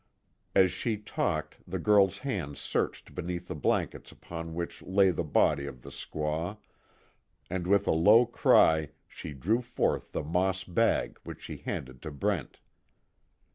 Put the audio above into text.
As she talked, the girl's hands searched beneath the blankets upon which lay the body of the squaw and with a low cry she drew forth the moss bag which she handed to Brent.